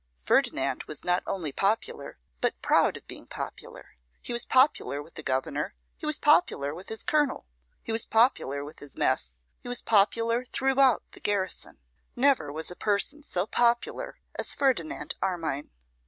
Ferdinand was not only popular, but proud of being popular. He was popular with the Governor, he was popular with his Colonel, he was popular with his mess, he was popular throughout the garrison. Never was a person so popular as Ferdinand Armine.